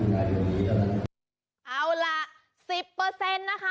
มาที่รับส่วนลด๑๐